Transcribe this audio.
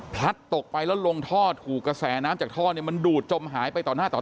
ตกไปแล้วลงท่อถูกกระแสน้ำจากท่อเนี่ยมันดูดจมหายไปต่อหน้าต่อ